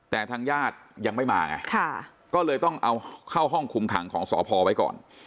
แต่ทางญาติยังไม่มาไงก็เลยต้องเอาเข้าห้องคุมขังของสพไว้ก่อน